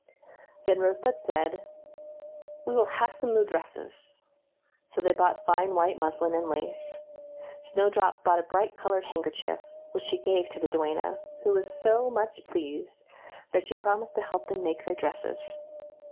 Then Rosebud said: "We will have some new dresses;" so they bought fine white muslin and lace. Snowdrop bought a bright colored handkerchief, which she gave the duenna, who was so much pleased that she promised to help them make their dresses.